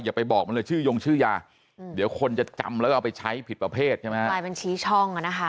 อย่าไปบอกมันเลยชื่อยงชื่อยาเดี๋ยวคนจะจำแล้วเอาไปใช้ผิดประเภทใช่ไหมครับ